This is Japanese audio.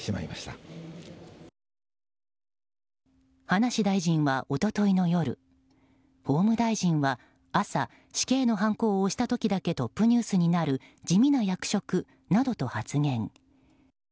葉梨大臣は、一昨日の夜法務大臣は朝、死刑のはんこを押した時だけトップニュースになる地味な役職などと発言。